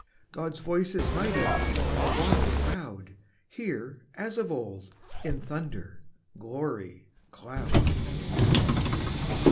God's voice is mighty, on the water loud, Here, as of old, in thunder, glory, cloud!